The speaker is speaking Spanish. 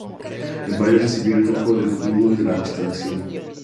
En París recibió el influjo del cubismo y de la abstracción.